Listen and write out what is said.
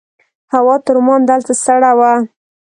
هوا تر عمان دلته سړه وه.